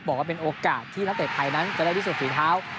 บอกว่าเป็นโอกาสที่นักเตะไทยนั้นจะได้พิสูจนฝีเท้า